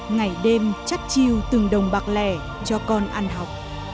ngày đêm chắt chiêu từng đồng bạc lẻ cho con ăn học